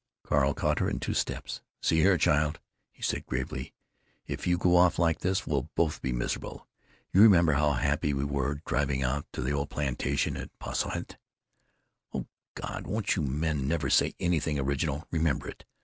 Carl caught her, in two steps. "See here, child," he said, gravely, "if you go off like this we'll both be miserable.... You remember how happy we were driving out to the old plantation at Powhasset?" "O Gawd! won't you men never say anything original? Remember it?